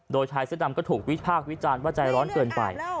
โดยชายเสื้อดำก็ถูกวิพากษ์วิจารณ์ว่าใจร้อนเกินไป